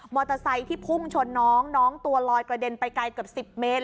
ที่พุ่งชนน้องน้องตัวลอยกระเด็นไปไกลเกือบ๑๐เมตร